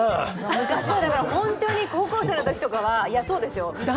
昔は高校生のときとかは、そうですよ。